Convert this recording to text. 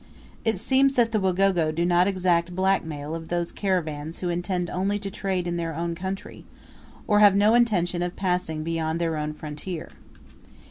It seems that the Wagogo do not exact blackmail of those caravans who intend only to trade in their own country, or have no intention of passing beyond their own frontier.